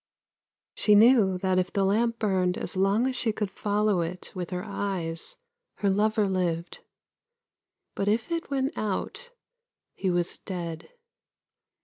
She knew that if the lamp burned as long as she could follow it with her eyes, her lover lived. But if it went out, he was dead.